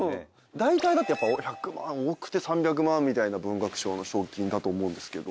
だいたいだってやっぱ１００万多くて３００万みたいな文学賞の賞金だと思うんですけど。